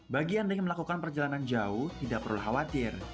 bagi anda yang melakukan perjalanan jauh tidak perlu khawatir